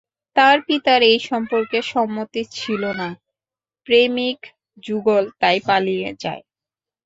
তাঁর পিতার এই সম্পর্কে সম্মতি ছিল না, প্রেমিকযুগল তাই পালিয়ে যায়।